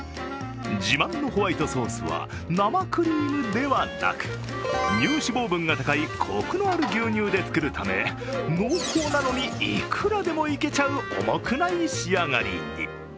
自慢のホワイトソースは生クリームではなく乳脂肪分が高いコクのある牛乳で作るため濃厚なのにいくらでもいけちゃう重くない仕上がりに。